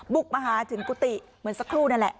บุกมาหาถึงกุฏิเหมือนสักครู่นั่นแหละ